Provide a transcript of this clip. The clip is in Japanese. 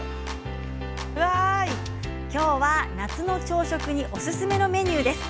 今日は夏の朝食におすすめのメニューです。